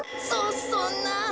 そそんな。